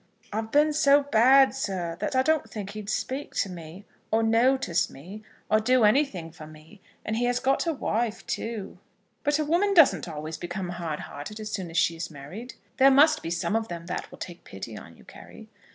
"I've been so bad, sir, that I don't think he'd speak to me, or notice me, or do anything for me. And he has got a wife, too." "But a woman doesn't always become hard hearted as soon as she is married. There must be some of them that will take pity on you, Carry."